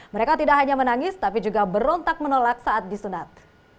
mereka tidak hanya menangis tapi juga berontak menolak saat disunat